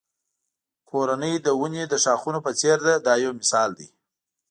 کورنۍ د ونې د ښاخونو په څېر ده دا یو مثال دی.